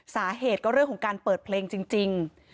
สาเหตุก็เรื่องของการเปิดเพลงจริง